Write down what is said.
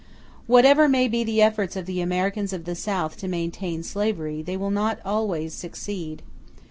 Whatever may be the efforts of the Americans of the South to maintain slavery, they will not always succeed.